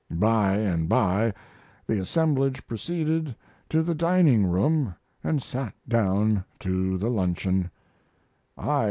By and by the assemblage proceeded to the dining room and sat down to the luncheon.